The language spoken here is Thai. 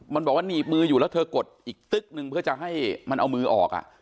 มันบอกว่าหนีบมืออยู่แล้วเธอกดอีกตึ๊กนึงเพื่อจะให้มันเอามือออก